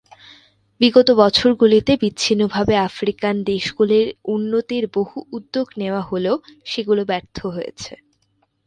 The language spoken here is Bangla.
বিগত বছরগুলিতে বিচ্ছিন্নভাবে আফ্রিকান দেশগুলির উন্নতির বহু উদ্যোগ নেওয়া হলেও সেগুলি ব্যর্থ হয়েছে।